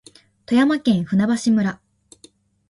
富山県舟橋村